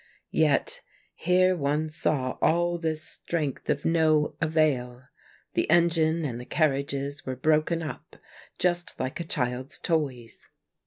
Yet here one saw all this strength of no avail. The engine and the carriages were broken up just like a child's toys.